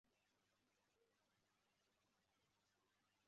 abagabo babiri bagerageza gufata bimaze gukubita umwe mubagabo imbere